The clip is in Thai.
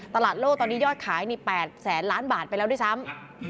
ตลาดโลกตอนนี้ยอดขายนี่๘แสนล้านบาทไปแล้วด้วยซ้ำ